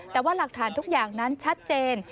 แต่ว่าหลักฐานทุกอย่างนั้นชัดเจน